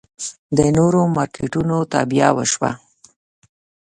د نورو مارکېټونو تابیا وشوه.